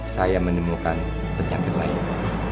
saya menemukan penyakit lain